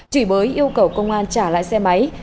chỉ bới yêu cầu công an trả lại xe máy